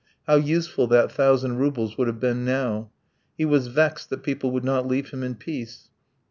How useful that thousand roubles would have been now! He was vexed that people would not leave him in peace.